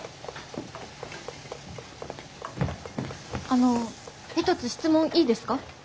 あの一つ質問いいですか？